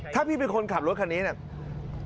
ถ้าพี่เป็นคนขับรถคันนี้เนี่ย